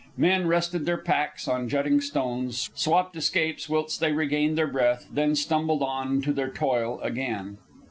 Men rested their packs on jutting stones, swapped escapes whilst they regained their breath, then stumbled on to their toil again.